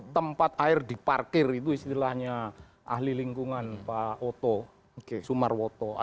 tempat air diparkir itu istilahnya ahli lingkungan pak oto sumarwoto